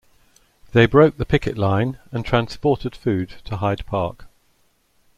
They broke the picket line and transported food to Hyde Park.